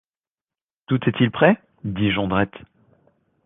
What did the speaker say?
Tout est-il prêt? dit Jondrette.